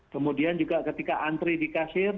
kemudian juga ketika antri di kasir